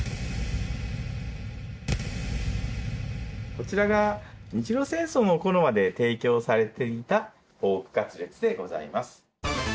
こちらが日露戦争の頃まで提供されていたポークカツレツでございます。